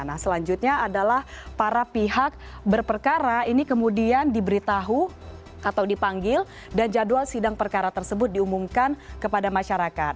nah selanjutnya adalah para pihak berperkara ini kemudian diberitahu atau dipanggil dan jadwal sidang perkara tersebut diumumkan kepada masyarakat